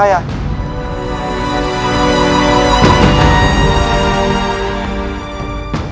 ini pedang saya